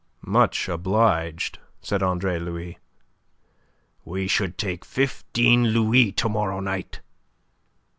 "Much obliged," said Andre Louis. "We should take fifteen louis to morrow night."